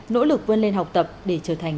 nỗ lực vươn lên học tập để trở thành